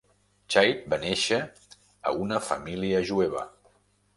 Chait va néixer a una família jueva.